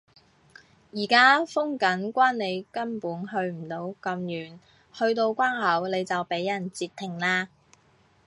而家封緊關你根本去唔到咁遠，去到關口你就畀人截停啦